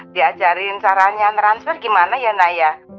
diajarin caranya transfer gimana ya nak ya